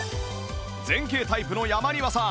前傾タイプの山庭さん